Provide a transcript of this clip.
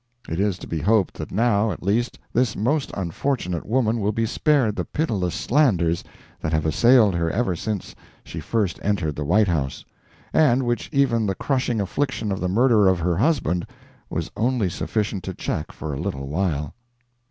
It is to be hoped that now, at least, this most unfortunate woman will be spared the pitiless slanders that have assailed her ever since she first entered the White House, and which even the crushing affliction of the murder of her husband was only sufficient to check for a little while.